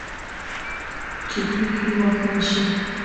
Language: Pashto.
چې څوک دې واکمن شي.